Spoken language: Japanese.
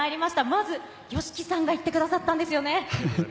まずＹＯＳＨＩＫＩさんが行ってくださったんですよね？